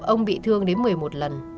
ông bị thương đến một mươi một lần